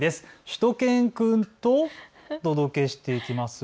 しゅと犬くんとお届けしていきます。